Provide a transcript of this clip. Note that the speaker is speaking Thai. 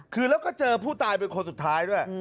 คือแล้วก็เจอผู้ตายเป็นคนสุดท้ายด้วย